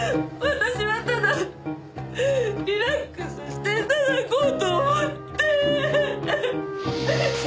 私はただリラックスして頂こうと思って！